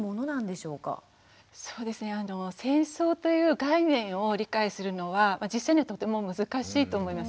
そうですね戦争という概念を理解するのは実際にはとても難しいと思います。